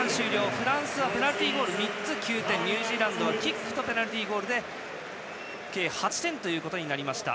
フランスは９点ニュージーランドはキックとペナルティーゴールで計８点となりました。